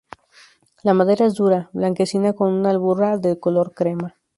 La madera es dura, blanquecina con una albura de color crema.